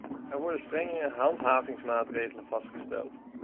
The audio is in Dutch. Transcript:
Er worden strengere handhavingsmaatregelen vastgesteld.